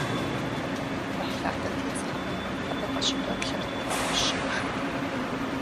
Кхъухьлъатэ тедзапӏэм абы къыщыпэплъэрт цӏыху щэ бжыгъэ.